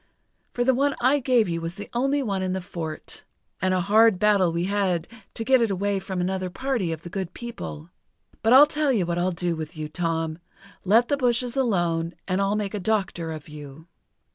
For the one I gave you was the only one in the fort. And a hard battle we had to get it away from another party of the Good People! But I'll tell you what I'll do with you, Tom; let the bushes alone, and I'll make a doctor of you."